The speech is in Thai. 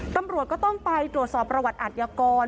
ตำรวจก็ต้องไปตรวจสอบประวัติอาทยากร